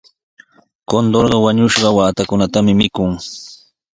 Kunturqa wañushqa waatakunatami mikun.